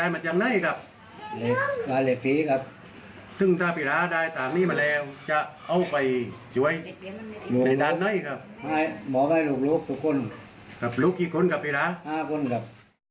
ไม่นานหน่อยครับไม่บอกให้ลูกทุกคนครับลูกกี่คนครับปีแล้ว๕คนครับ